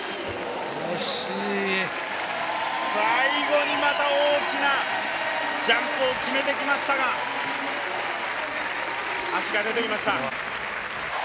最後にまた大きなジャンプを決めてきましたが、足が出ていました。